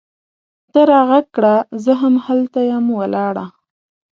ته راږغ کړه! زه هم هلته یم ولاړه